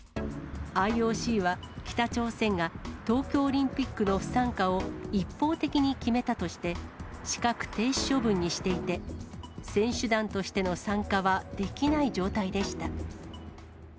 ＩＯＣは、北朝鮮が東京オリンピックの不参加を一方的に決めたとして、資格停止処分にしていて、選手団としての参加はできない状態でした。